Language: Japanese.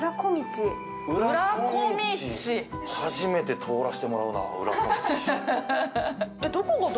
初めて通らせてもらうな、裏小道。